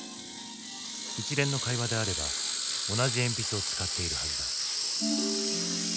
一連の会話であれば同じ鉛筆を使っているはずだ。